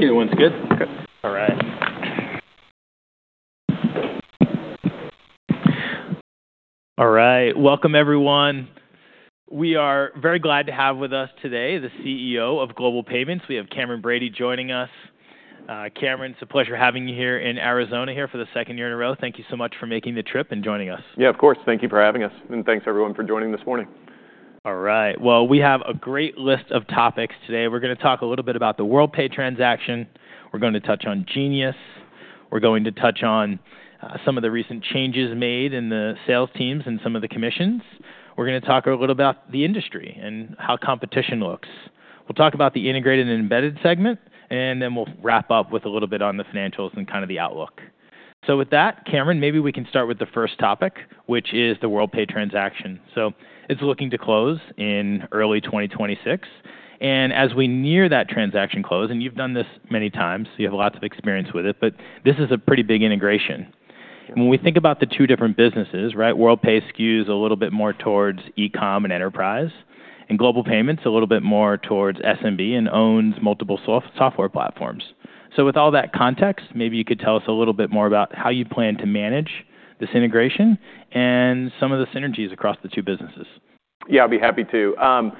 Give me one second. Okay. All right. All right. Welcome, everyone. We are very glad to have with us today the CEO of Global Payments. We have Cameron Bready joining us. Cameron, it's a pleasure having you here in Arizona for the second year in a row. Thank you so much for making the trip and joining us. Yeah, of course. Thank you for having us, and thanks, everyone, for joining this morning. All right. Well, we have a great list of topics today. We're gonna talk a little bit about the Worldpay transaction. We're gonna touch on Genius. We're going to touch on some of the recent changes made in the sales teams and some of the commissions. We're gonna talk a little about the industry and how competition looks. We'll talk about the integrated and embedded segment, and then we'll wrap up with a little bit on the financials and kind of the outlook. So with that, Cameron, maybe we can start with the first topic, which is the Worldpay transaction. So it's looking to close in early 2026. And as we near that transaction close, and you've done this many times, you have lots of experience with it, but this is a pretty big integration. And when we think about the two different businesses, right, Worldpay skews a little bit more towards e-com and enterprise, and Global Payments a little bit more towards SMB and owns multiple software platforms. So with all that context, maybe you could tell us a little bit more about how you plan to manage this integration and some of the synergies across the two businesses. Yeah, I'll be happy to.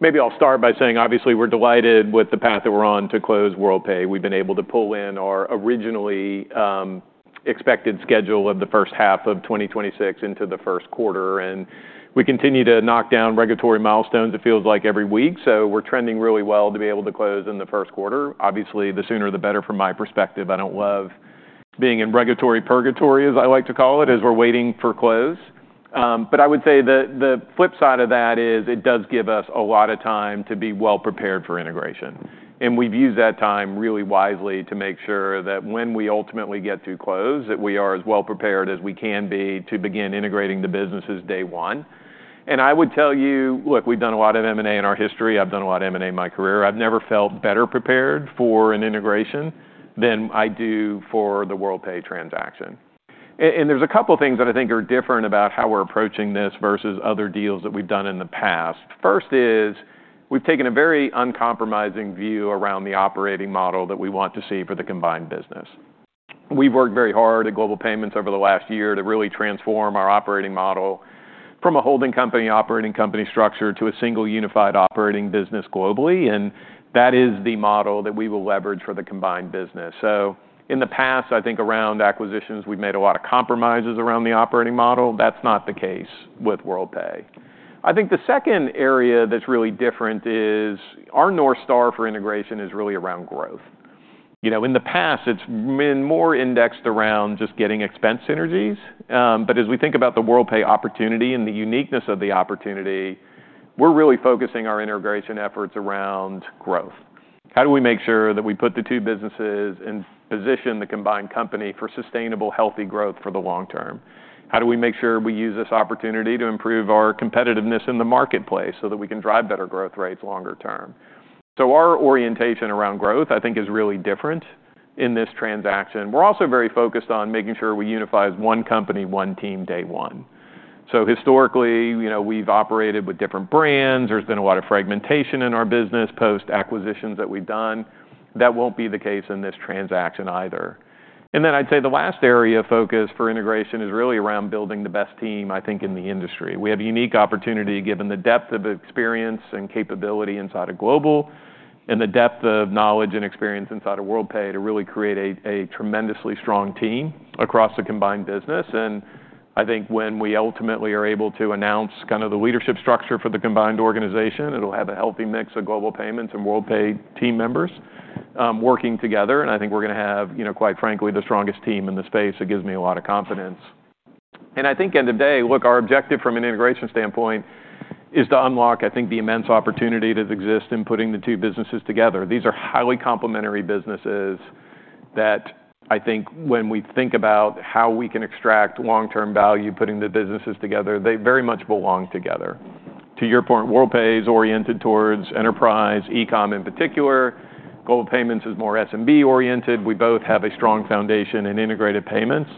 Maybe I'll start by saying, obviously, we're delighted with the path that we're on to close Worldpay. We've been able to pull in our originally expected schedule of the first half of 2026 into the first quarter, and we continue to knock down regulatory milestones, it feels like, every week, so we're trending really well to be able to close in the first quarter. Obviously, the sooner the better from my perspective. I don't love being in regulatory purgatory, as I like to call it, as we're waiting for close, but I would say that the flip side of that is it does give us a lot of time to be well prepared for integration. And we've used that time really wisely to make sure that when we ultimately get to close, that we are as well prepared as we can be to begin integrating the businesses day one. And I would tell you, look, we've done a lot of M&A in our history. I've done a lot of M&A in my career. I've never felt better prepared for an integration than I do for the Worldpay transaction. And there's a couple of things that I think are different about how we're approaching this versus other deals that we've done in the past. First is we've taken a very uncompromising view around the operating model that we want to see for the combined business. We've worked very hard at Global Payments over the last year to really transform our operating model from a holding company-operating company structure to a single unified operating business globally. And that is the model that we will leverage for the combined business. So in the past, I think around acquisitions, we've made a lot of compromises around the operating model. That's not the case with Worldpay. I think the second area that's really different is our North Star for integration is really around growth. You know, in the past, it's been more indexed around just getting expense synergies. But as we think about the Worldpay opportunity and the uniqueness of the opportunity, we're really focusing our integration efforts around growth. How do we make sure that we put the two businesses in position, the combined company, for sustainable, healthy growth for the long term? How do we make sure we use this opportunity to improve our competitiveness in the marketplace so that we can drive better growth rates longer term? So our orientation around growth, I think, is really different in this transaction. We're also very focused on making sure we unify as one company, one team day one. So historically, you know, we've operated with different brands. There's been a lot of fragmentation in our business post-acquisitions that we've done. That won't be the case in this transaction either. And then I'd say the last area of focus for integration is really around building the best team, I think, in the industry. We have a unique opportunity, given the depth of experience and capability inside of Global and the depth of knowledge and experience inside of Worldpay, to really create a tremendously strong team across the combined business. I think when we ultimately are able to announce kind of the leadership structure for the combined organization, it'll have a healthy mix of Global Payments and Worldpay team members, working together. And I think we're gonna have, you know, quite frankly, the strongest team in the space. It gives me a lot of confidence. And I think end of day, look, our objective from an integration standpoint is to unlock, I think, the immense opportunity that exists in putting the two businesses together. These are highly complementary businesses that I think when we think about how we can extract long-term value putting the businesses together, they very much belong together. To your point, Worldpay is oriented towards enterprise, e-com in particular. Global Payments is more SMB-oriented. We both have a strong foundation in integrated payments.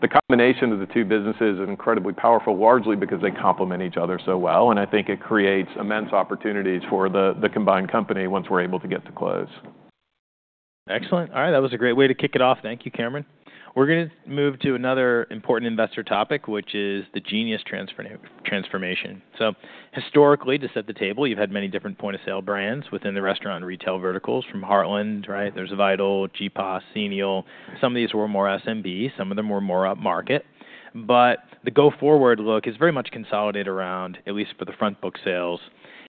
The combination of the two businesses is incredibly powerful, largely because they complement each other so well. And I think it creates immense opportunities for the combined company once we're able to get to close. Excellent. All right. That was a great way to kick it off. Thank you, Cameron. We're gonna move to another important investor topic, which is the Genius Transformation. So historically, to set the table, you've had many different point-of-sale brands within the restaurant and retail verticals from Heartland, right? There's Vital, GPOSS, Xenial. Some of these were more SMB. Some of them were more upmarket. But the go-forward look is very much consolidated around, at least for the front book sales,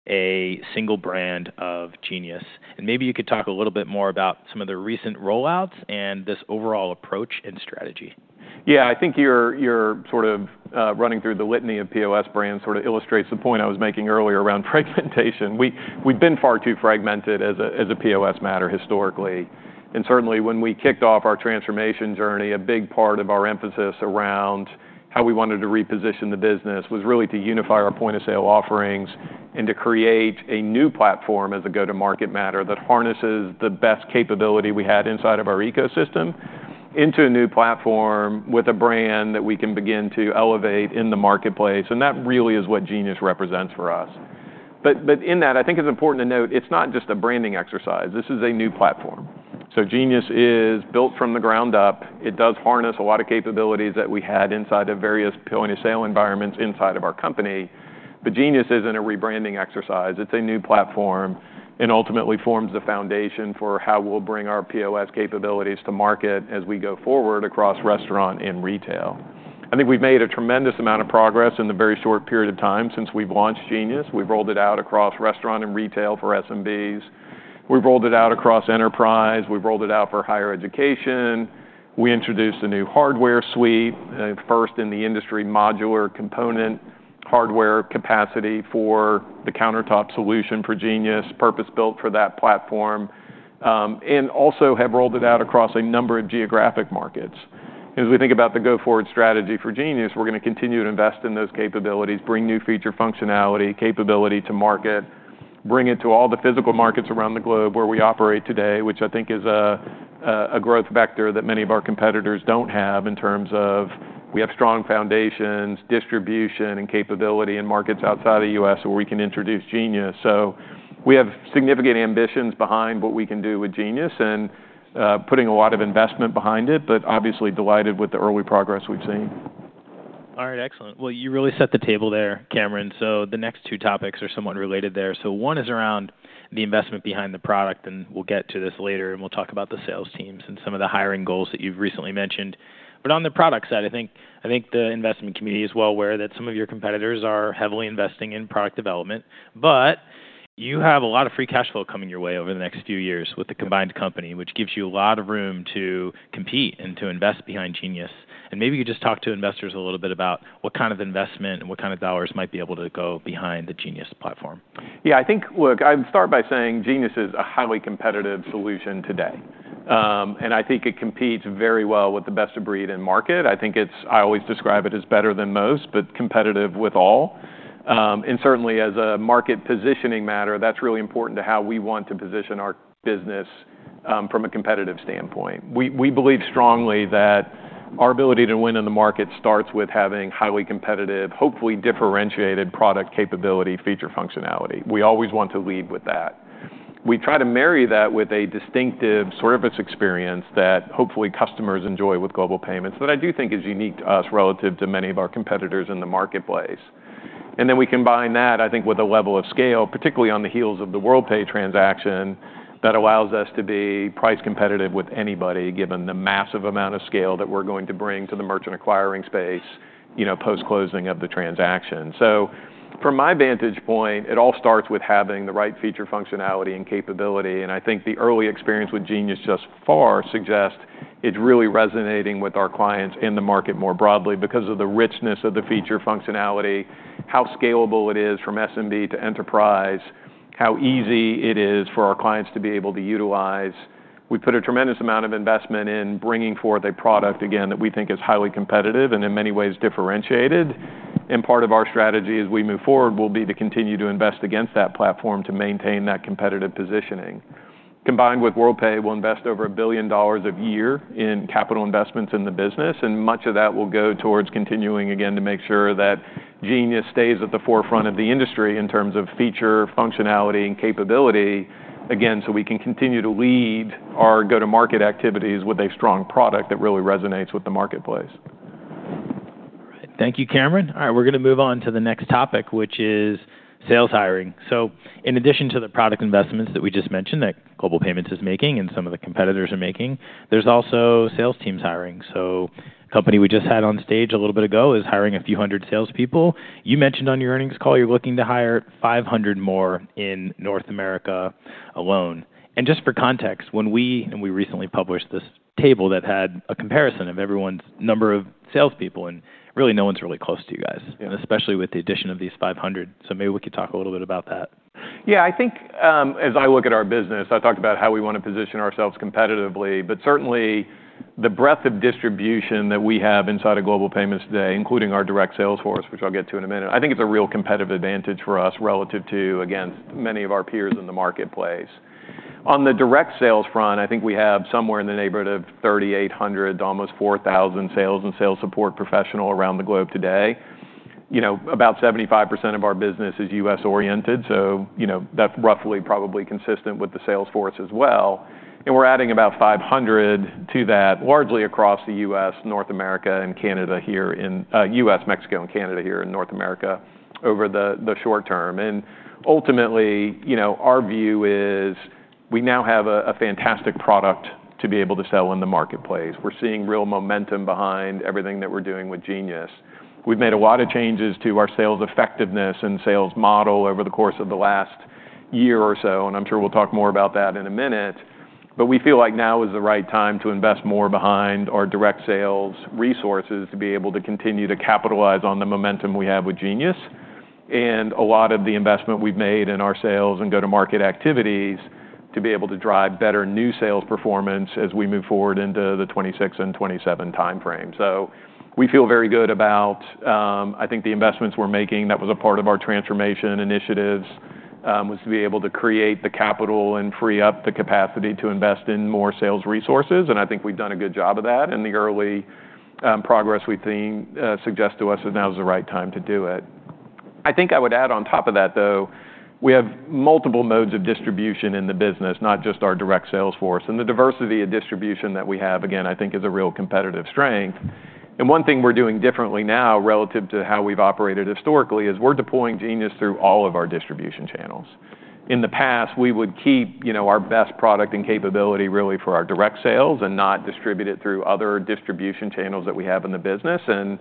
a single brand of Genius. And maybe you could talk a little bit more about some of the recent rollouts and this overall approach and strategy. Yeah, I think your sort of running through the litany of POS brands sort of illustrates the point I was making earlier around fragmentation. We've been far too fragmented as a POS matter historically. And certainly, when we kicked off our transformation journey, a big part of our emphasis around how we wanted to reposition the business was really to unify our point-of-sale offerings and to create a new platform as a go-to-market matter that harnesses the best capability we had inside of our ecosystem into a new platform with a brand that we can begin to elevate in the marketplace. And that really is what Genius represents for us. But in that, I think it's important to note it's not just a branding exercise. This is a new platform. So Genius is built from the ground up. It does harness a lot of capabilities that we had inside of various point-of-sale environments inside of our company. But Genius isn't a rebranding exercise. It's a new platform and ultimately forms the foundation for how we'll bring our POS capabilities to market as we go forward across restaurant and retail. I think we've made a tremendous amount of progress in the very short period of time since we've launched Genius. We've rolled it out across restaurant and retail for SMBs. We've rolled it out across enterprise. We've rolled it out for higher education. We introduced a new hardware suite, first in the industry, modular component hardware capacity for the countertop solution for Genius, purpose-built for that platform, and also have rolled it out across a number of geographic markets. As we think about the go-forward strategy for Genius, we're gonna continue to invest in those capabilities, bring new feature functionality, capability to market, bring it to all the physical markets around the globe where we operate today, which I think is a growth vector that many of our competitors don't have in terms of we have strong foundations, distribution, and capability in markets outside of the U.S. where we can introduce Genius. So we have significant ambitions behind what we can do with Genius, and putting a lot of investment behind it, but obviously delighted with the early progress we've seen. All right. Excellent. Well, you really set the table there, Cameron. So the next two topics are somewhat related there. So one is around the investment behind the product, and we'll get to this later, and we'll talk about the sales teams and some of the hiring goals that you've recently mentioned. But on the product side, I think, I think the investment community is well aware that some of your competitors are heavily investing in product development. But you have a lot of free cash flow coming your way over the next few years with the combined company, which gives you a lot of room to compete and to invest behind Genius. And maybe you could just talk to investors a little bit about what kind of investment and what kind of dollars might be able to go behind the Genius platform. Yeah, I think, look, I'd start by saying Genius is a highly competitive solution today, and I think it competes very well with the best of breed in market. I think it's. I always describe it as better than most, but competitive with all, and certainly, as a market positioning matter, that's really important to how we want to position our business, from a competitive standpoint. We believe strongly that our ability to win in the market starts with having highly competitive, hopefully differentiated product capability, feature functionality. We always want to lead with that. We try to marry that with a distinctive service experience that hopefully customers enjoy with Global Payments that I do think is unique to us relative to many of our competitors in the marketplace. Then we combine that, I think, with a level of scale, particularly on the heels of the Worldpay transaction, that allows us to be price competitive with anybody, given the massive amount of scale that we're going to bring to the merchant acquiring space, you know, post-closing of the transaction. So from my vantage point, it all starts with having the right feature functionality and capability. And I think the early experience with Genius just so far suggests it's really resonating with our clients in the market more broadly because of the richness of the feature functionality, how scalable it is from SMB to enterprise, how easy it is for our clients to be able to utilize. We put a tremendous amount of investment in bringing forth a product, again, that we think is highly competitive and in many ways differentiated. Part of our strategy as we move forward will be to continue to invest against that platform to maintain that competitive positioning. Combined with Worldpay, we'll invest over $1 billion a year in capital investments in the business. Much of that will go towards continuing, again, to make sure that Genius stays at the forefront of the industry in terms of feature functionality and capability, again, so we can continue to lead our go-to-market activities with a strong product that really resonates with the marketplace. All right. Thank you, Cameron. All right. We're gonna move on to the next topic, which is sales hiring. So in addition to the product investments that we just mentioned that Global Payments is making and some of the competitors are making, there's also sales teams hiring. So a company we just had on stage a little bit ago is hiring a few hundred salespeople. You mentioned on your earnings call you're looking to hire 500 more in North America alone. And just for context, when we recently published this table that had a comparison of everyone's number of salespeople, and really no one's really close to you guys, and especially with the addition of these 500. So maybe we could talk a little bit about that. Yeah, I think, as I look at our business, I talked about how we wanna position ourselves competitively. But certainly, the breadth of distribution that we have inside of Global Payments today, including our direct sales force, which I'll get to in a minute, I think it's a real competitive advantage for us relative to, again, many of our peers in the marketplace. On the direct sales front, I think we have somewhere in the neighborhood of 3,800 to almost 4,000 sales and sales support professionals around the globe today. You know, about 75% of our business is U.S.-oriented. So, you know, that's roughly probably consistent with the sales force as well. And we're adding about 500 to that, largely across the U.S., Mexico, and Canada here in North America over the short term. Ultimately, you know, our view is we now have a fantastic product to be able to sell in the marketplace. We're seeing real momentum behind everything that we're doing with Genius. We've made a lot of changes to our sales effectiveness and sales model over the course of the last year or so. I'm sure we'll talk more about that in a minute. We feel like now is the right time to invest more behind our direct sales resources to be able to continue to capitalize on the momentum we have with Genius and a lot of the investment we've made in our sales and go-to-market activities to be able to drive better new sales performance as we move forward into the 2026 and 2027 timeframe. So we feel very good about, I think, the investments we're making that was a part of our transformation initiatives, was to be able to create the capital and free up the capacity to invest in more sales resources. And I think we've done a good job of that. And the early progress we've seen suggest to us that now is the right time to do it. I think I would add on top of that, though, we have multiple modes of distribution in the business, not just our direct sales force. And the diversity of distribution that we have, again, I think is a real competitive strength. And one thing we're doing differently now relative to how we've operated historically is we're deploying Genius through all of our distribution channels. In the past, we would keep, you know, our best product and capability really for our direct sales and not distribute it through other distribution channels that we have in the business, and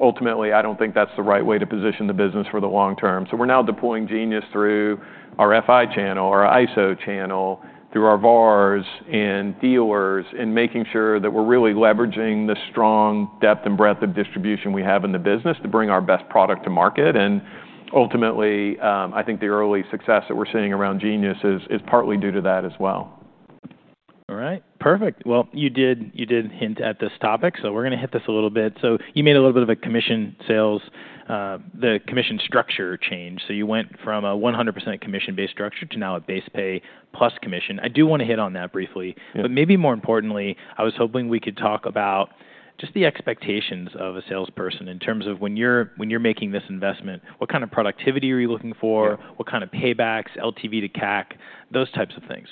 ultimately, I don't think that's the right way to position the business for the long term, so we're now deploying Genius through our FI channel or our ISO channel through our VARs and dealers and making sure that we're really leveraging the strong depth and breadth of distribution we have in the business to bring our best product to market, and ultimately, I think the early success that we're seeing around Genius is partly due to that as well. All right. Perfect. Well, you did, you did hint at this topic. So we're gonna hit this a little bit. So you made a little bit of a commission sales, the commission structure change. So you went from a 100% commission-based structure to now a base pay plus commission. I do wanna hit on that briefly. But maybe more importantly, I was hoping we could talk about just the expectations of a salesperson in terms of when you're, when you're making this investment, what kind of productivity are you looking for? What kind of paybacks, LTV to CAC, those types of things?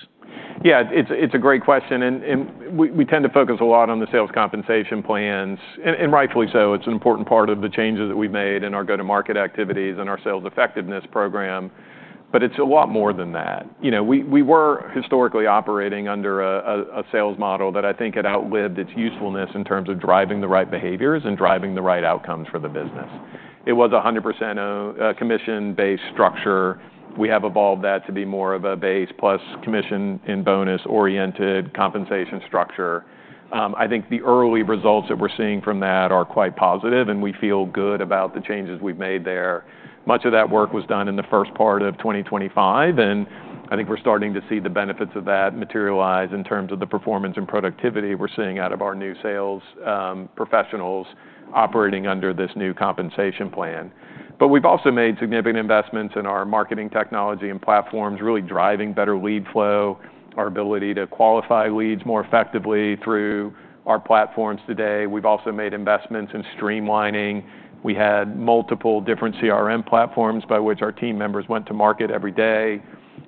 Yeah, it's a great question. And we tend to focus a lot on the sales compensation plans. And rightfully so. It's an important part of the changes that we've made in our go-to-market activities and our sales effectiveness program. But it's a lot more than that. You know, we were historically operating under a sales model that I think had outlived its usefulness in terms of driving the right behaviors and driving the right outcomes for the business. It was a 100% commission-based structure. We have evolved that to be more of a base plus commission and bonus-oriented compensation structure. I think the early results that we're seeing from that are quite positive, and we feel good about the changes we've made there. Much of that work was done in the first part of 2025. And I think we're starting to see the benefits of that materialize in terms of the performance and productivity we're seeing out of our new sales professionals operating under this new compensation plan. But we've also made significant investments in our marketing technology and platforms, really driving better lead flow, our ability to qualify leads more effectively through our platforms today. We've also made investments in streamlining. We had multiple different CRM platforms by which our team members went to market every day.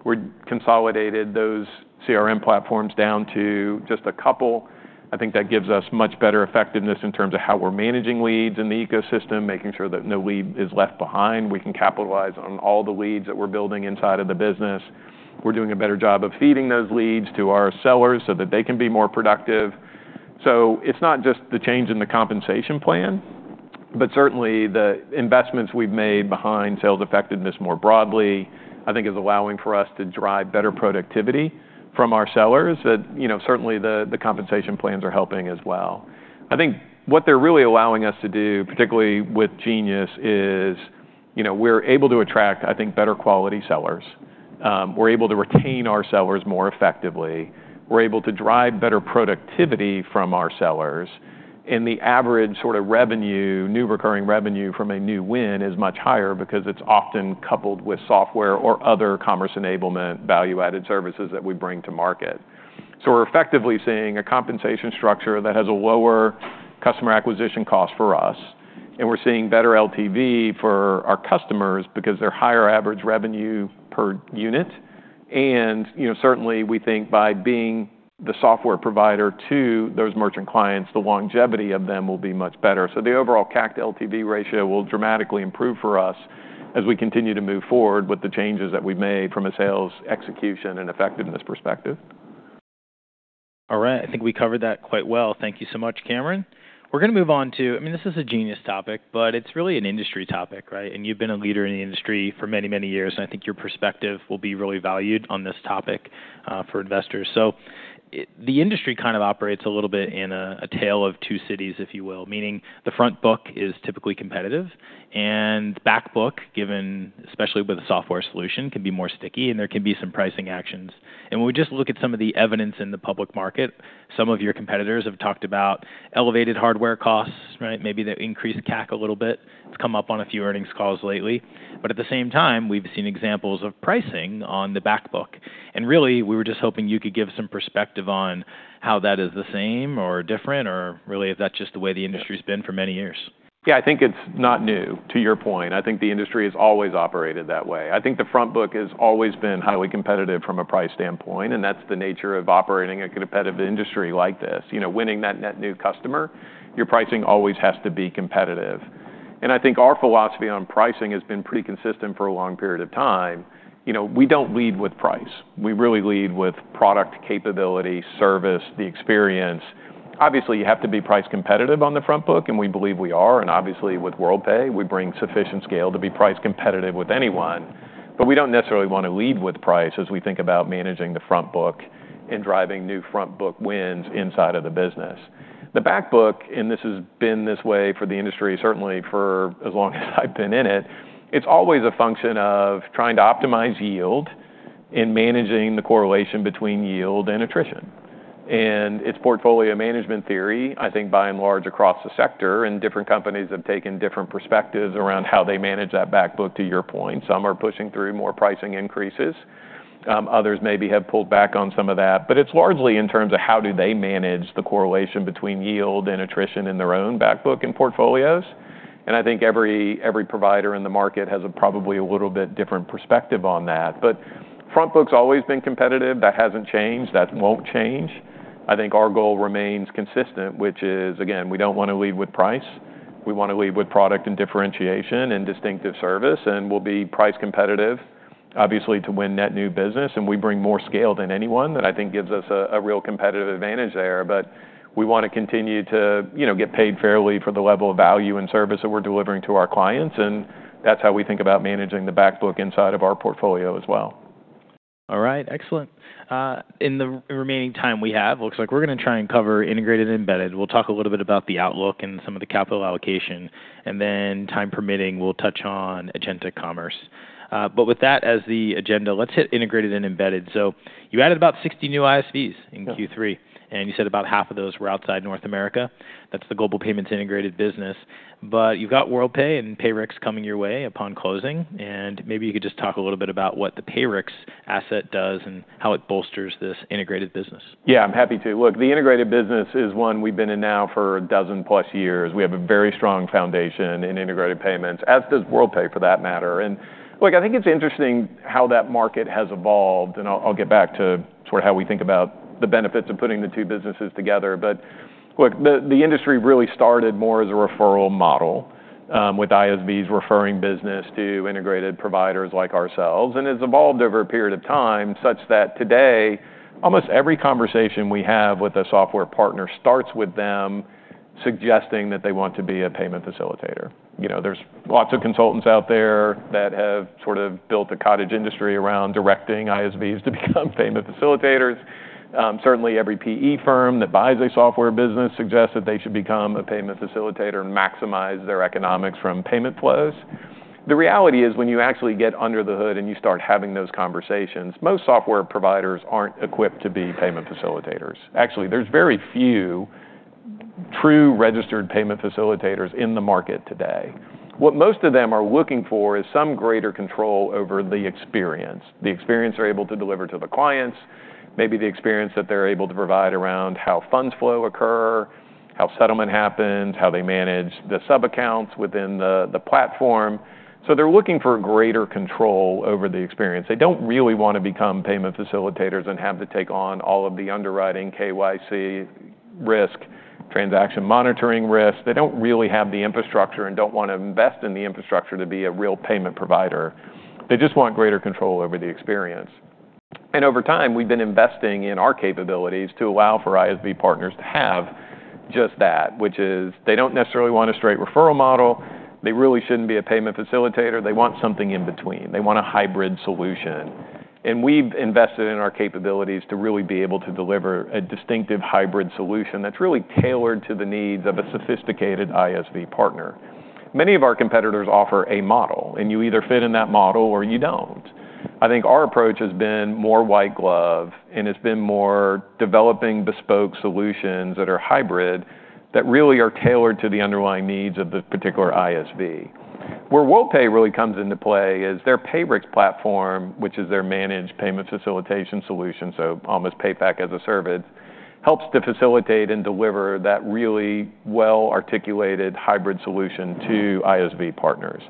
We're consolidating those CRM platforms down to just a couple. I think that gives us much better effectiveness in terms of how we're managing leads in the ecosystem, making sure that no lead is left behind. We can capitalize on all the leads that we're building inside of the business. We're doing a better job of feeding those leads to our sellers so that they can be more productive. So it's not just the change in the compensation plan, but certainly the investments we've made behind sales effectiveness more broadly, I think, is allowing for us to drive better productivity from our sellers that, you know, certainly the compensation plans are helping as well. I think what they're really allowing us to do, particularly with Genius, is, you know, we're able to attract, I think, better quality sellers. We're able to retain our sellers more effectively. We're able to drive better productivity from our sellers. And the average sort of revenue, new recurring revenue from a new win is much higher because it's often coupled with software or other commerce enablement value-added services that we bring to market. So we're effectively seeing a compensation structure that has a lower customer acquisition cost for us. And we're seeing better LTV for our customers because they're higher average revenue per unit. And, you know, certainly we think by being the software provider to those merchant clients, the longevity of them will be much better. So the overall CAC to LTV ratio will dramatically improve for us as we continue to move forward with the changes that we've made from a sales execution and effectiveness perspective. All right. I think we covered that quite well. Thank you so much, Cameron. We're gonna move on to, I mean, this is a Genius topic, but it's really an industry topic, right? And you've been a leader in the industry for many, many years. And I think your perspective will be really valued on this topic, for investors. So the industry kind of operates a little bit in a tale of two cities, if you will, meaning the front book is typically competitive and back book, given especially with a software solution, can be more sticky, and there can be some pricing actions. And when we just look at some of the evidence in the public market, some of your competitors have talked about elevated hardware costs, right? Maybe they've increased CAC a little bit. It's come up on a few earnings calls lately. But at the same time, we've seen examples of pricing on the back book. And really, we were just hoping you could give some perspective on how that is the same or different, or really if that's just the way the industry's been for many years. Yeah, I think it's not new to your point. I think the industry has always operated that way. I think the front book has always been highly competitive from a price standpoint. And that's the nature of operating a competitive industry like this. You know, winning that net new customer, your pricing always has to be competitive. And I think our philosophy on pricing has been pretty consistent for a long period of time. You know, we don't lead with price. We really lead with product capability, service, the experience. Obviously, you have to be price competitive on the front book, and we believe we are. And obviously, with Worldpay, we bring sufficient scale to be price competitive with anyone. But we don't necessarily wanna lead with price as we think about managing the front book and driving new front book wins inside of the business. The back book, and this has been this way for the industry, certainly for as long as I've been in it. It's always a function of trying to optimize yield and managing the correlation between yield and attrition. And it's portfolio management theory, I think, by and large across the sector. And different companies have taken different perspectives around how they manage that back book, to your point. Some are pushing through more pricing increases. Others maybe have pulled back on some of that. But it's largely in terms of how do they manage the correlation between yield and attrition in their own back book and portfolios. And I think every provider in the market has probably a little bit different perspective on that. But front book's always been competitive. That hasn't changed. That won't change. I think our goal remains consistent, which is, again, we don't wanna lead with price. We wanna lead with product and differentiation and distinctive service. And we'll be price competitive, obviously, to win net new business. And we bring more scale than anyone that I think gives us a real competitive advantage there. But we wanna continue to, you know, get paid fairly for the level of value and service that we're delivering to our clients. And that's how we think about managing the back book inside of our portfolio as well. All right. Excellent. In the remaining time we have, it looks like we're gonna try and cover integrated and embedded. We'll talk a little bit about the outlook and some of the capital allocation. And then, time permitting, we'll touch on agentic commerce. But with that as the agenda, let's hit integrated and embedded. So you added about 60 new ISVs in Q3. Right. And you said about half of those were outside North America. That's the Global Payments Integrated Business. But you've got Worldpay and PayRex coming your way upon closing. And maybe you could just talk a little bit about what the PayRex asset does and how it bolsters this integrated business. Yeah, I'm happy to. Look, the integrated business is one we've been in now for a dozen plus years. We have a very strong foundation in integrated payments, as does Worldpay, for that matter. And look, I think it's interesting how that market has evolved. And I'll get back to sort of how we think about the benefits of putting the two businesses together. But look, the industry really started more as a referral model, with ISVs referring business to integrated providers like ourselves. And it's evolved over a period of time such that today, almost every conversation we have with a software partner starts with them suggesting that they want to be a payment facilitator. You know, there's lots of consultants out there that have sort of built a cottage industry around directing ISVs to become payment facilitators. Certainly every PE firm that buys a software business suggests that they should become a payment facilitator and maximize their economics from payment flows. The reality is when you actually get under the hood and you start having those conversations, most software providers aren't equipped to be payment facilitators. Actually, there's very few true registered payment facilitators in the market today. What most of them are looking for is some greater control over the experience. The experience they're able to deliver to the clients, maybe the experience that they're able to provide around how funds flow occur, how settlement happens, how they manage the sub-accounts within the platform. So they're looking for greater control over the experience. They don't really wanna become payment facilitators and have to take on all of the underwriting KYC risk, transaction monitoring risk. They don't really have the infrastructure and don't wanna invest in the infrastructure to be a real payment provider. They just want greater control over the experience. And over time, we've been investing in our capabilities to allow for ISV partners to have just that, which is they don't necessarily want a straight referral model. They really shouldn't be a payment facilitator. They want something in between. They want a hybrid solution. And we've invested in our capabilities to really be able to deliver a distinctive hybrid solution that's really tailored to the needs of a sophisticated ISV partner. Many of our competitors offer a model, and you either fit in that model or you don't. I think our approach has been more white glove, and it's been more developing bespoke solutions that are hybrid that really are tailored to the underlying needs of the particular ISV. Where Worldpay really comes into play is their PayRex platform, which is their managed payment facilitation solution. So almost PayFac as a service helps to facilitate and deliver that really well-articulated hybrid solution to ISV partners.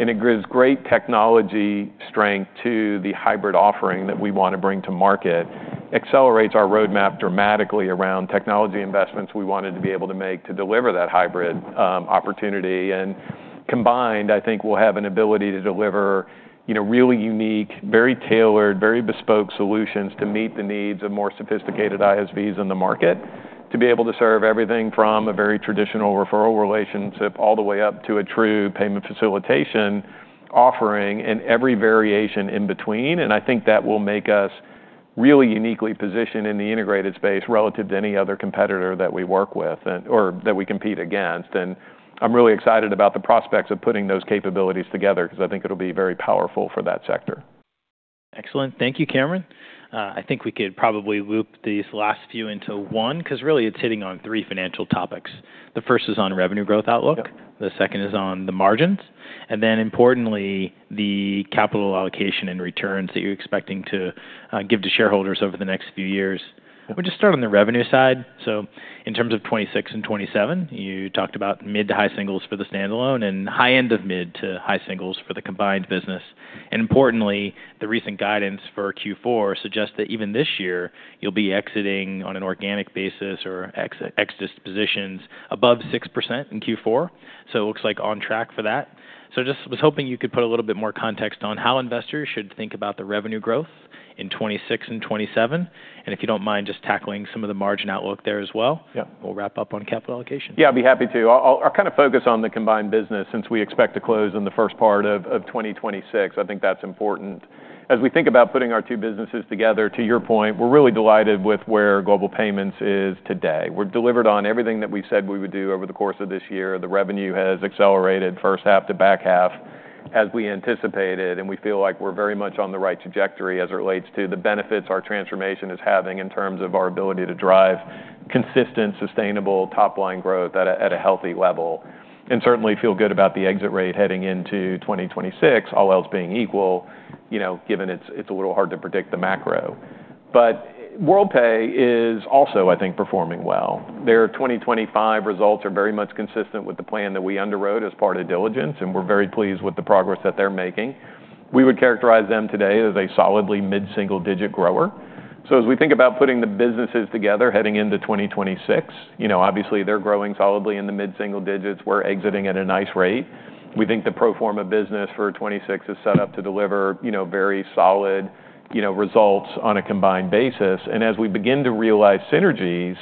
And it gives great technology strength to the hybrid offering that we wanna bring to market, accelerates our roadmap dramatically around technology investments we wanted to be able to make to deliver that hybrid opportunity. And combined, I think we'll have an ability to deliver, you know, really unique, very tailored, very bespoke solutions to meet the needs of more sophisticated ISVs in the market, to be able to serve everything from a very traditional referral relationship all the way up to a true payment facilitation offering and every variation in between. And I think that will make us really uniquely positioned in the integrated space relative to any other competitor that we work with and or that we compete against. And I'm really excited about the prospects of putting those capabilities together 'cause I think it'll be very powerful for that sector. Excellent. Thank you, Cameron. I think we could probably loop these last few into one 'cause really it's hitting on three financial topics. The first is on revenue growth outlook. Yep. The second is on the margins, and then, importantly, the capital allocation and returns that you're expecting to give to shareholders over the next few years. Yep. We'll just start on the revenue side. So in terms of 2026 and 2027, you talked about mid to high singles for the standalone and high end of mid to high singles for the combined business. And importantly, the recent guidance for Q4 suggests that even this year you'll be exiting on an organic basis or exit ex-dispositions above 6% in Q4. So it looks like on track for that. So just was hoping you could put a little bit more context on how investors should think about the revenue growth in 2026 and 2027. And if you don't mind just tackling some of the margin outlook there as well. Yep. We'll wrap up on capital allocation. Yeah, I'd be happy to. I'll kind of focus on the combined business since we expect to close in the first part of 2026. I think that's important. As we think about putting our two businesses together, to your point, we're really delighted with where Global Payments is today. We're delivered on everything that we said we would do over the course of this year. The revenue has accelerated first half to back half as we anticipated. And we feel like we're very much on the right trajectory as it relates to the benefits our transformation is having in terms of our ability to drive consistent, sustainable top-line growth at a healthy level. And certainly feel good about the exit rate heading into 2026, all else being equal, you know, given it's a little hard to predict the macro. Worldpay is also, I think, performing well. Their 2025 results are very much consistent with the plan that we underwrote as part of diligence. And we're very pleased with the progress that they're making. We would characterize them today as a solidly mid-single-digit grower. So as we think about putting the businesses together heading into 2026, you know, obviously they're growing solidly in the mid-single digits. We're exiting at a nice rate. We think the pro forma business for 2026 is set up to deliver, you know, very solid, you know, results on a combined basis. And as we begin to realize synergies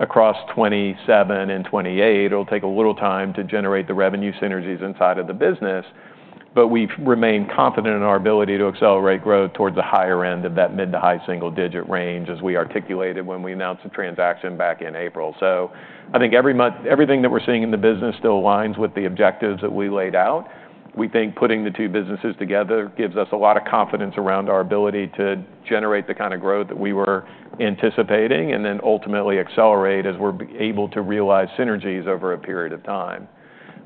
across 2027 and 2028, it'll take a little time to generate the revenue synergies inside of the business. But we've remained confident in our ability to accelerate growth towards the higher end of that mid to high single-digit range as we articulated when we announced the transaction back in April. So I think every month, everything that we're seeing in the business still aligns with the objectives that we laid out. We think putting the two businesses together gives us a lot of confidence around our ability to generate the kind of growth that we were anticipating and then ultimately accelerate as we're able to realize synergies over a period of time.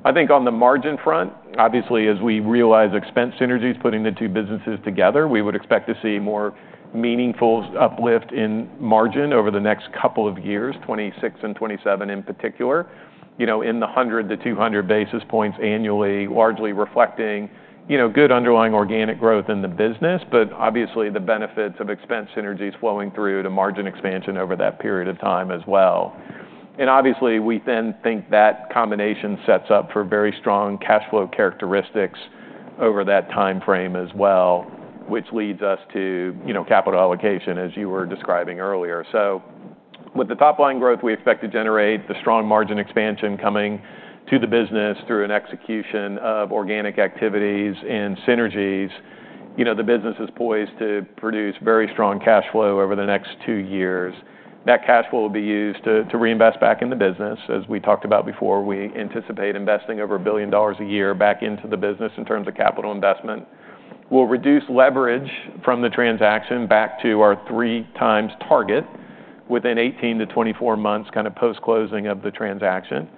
I think on the margin front, obviously, as we realize expense synergies, putting the two businesses together, we would expect to see more meaningful uplift in margin over the next couple of years, 2026 and 2027 in particular, you know, in the 100-200 basis points annually, largely reflecting, you know, good underlying organic growth in the business. But obviously, the benefits of expense synergies flowing through to margin expansion over that period of time as well. And obviously, we then think that combination sets up for very strong cash flow characteristics over that timeframe as well, which leads us to, you know, capital allocation, as you were describing earlier. With the top-line growth we expect to generate, the strong margin expansion coming to the business through an execution of organic activities and synergies, you know, the business is poised to produce very strong cash flow over the next two years. That cash flow will be used to reinvest back in the business. As we talked about before, we anticipate investing over $1 billion a year back into the business in terms of capital investment. We'll reduce leverage from the transaction back to our three-times target within 18-24 months, kind of post-closing of the transaction.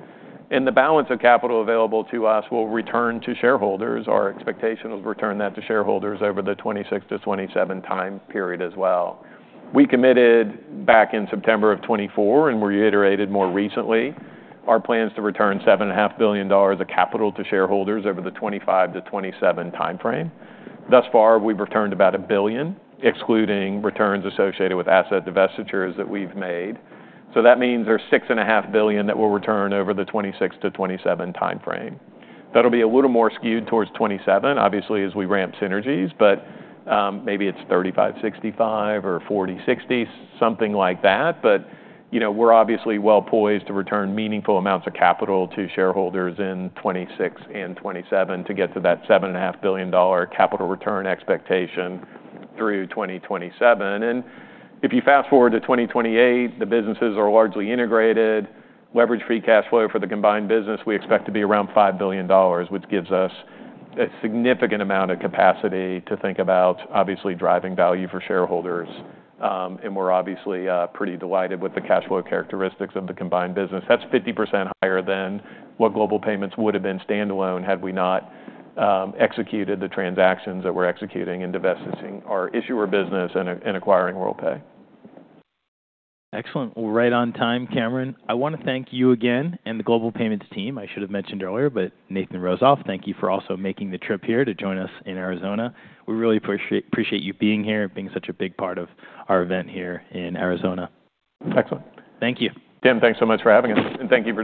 The balance of capital available to us will return to shareholders. Our expectation is we'll return that to shareholders over the 2026-2027 time period as well. We committed back in September of 2024, and we reiterated more recently our plans to return $7.5 billion of capital to shareholders over the 2025 to 2027 timeframe. Thus far, we've returned about $1 billion, excluding returns associated with asset divestitures that we've made. So that means there's $6.5 billion that will return over the 2026 to 2027 timeframe. That'll be a little more skewed towards 2027, obviously, as we ramp synergies. But, maybe it's $35 billion, $65 billion, or $40 billion, $60 billion, something like that. But, you know, we're obviously well poised to return meaningful amounts of capital to shareholders in 2026 and 2027 to get to that $7.5 billion capital return expectation through 2027. And if you fast forward to 2028, the businesses are largely integrated. Leverage-free cash flow for the combined business, we expect to be around $5 billion, which gives us a significant amount of capacity to think about, obviously, driving value for shareholders, and we're obviously pretty delighted with the cash flow characteristics of the combined business. That's 50% higher than what Global Payments would have been standalone had we not executed the transactions that we're executing and divesting our issuer business and acquiring Worldpay. Excellent. Well, right on time, Cameron. I wanna thank you again and the Global Payments team. I should have mentioned earlier, but Nathan Rozof, thank you for also making the trip here to join us in Arizona. We really appreciate you being here and being such a big part of our event here in Arizona. Excellent. Thank you. Tim, thanks so much for having us and thank you.